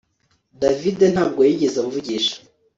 David ntabwo yigeze amvugisha